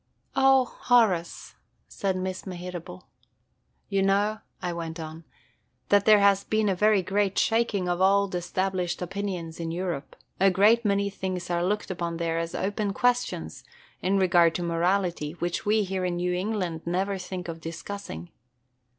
"O Horace!" said Miss Mehitable. "You know," I went on, "that there has been a very great shaking of old established opinions in Europe. A great many things are looked upon there as open questions, in regard to morality, which we here in New England never think of discussing.